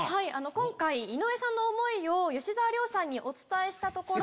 今回井上さんの思いを吉沢亮さんにお伝えしたところ。